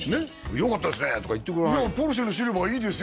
よかったですねとか言ってくれないのいやポルシェのシルバーいいですよ